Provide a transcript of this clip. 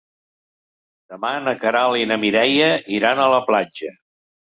Demà na Queralt i na Mireia iran a la platja.